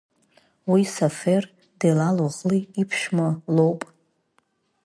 Уи Сафер Делалоӷлы иԥшәма лоуп.